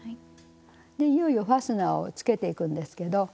でいよいよファスナーをつけていくんですけど。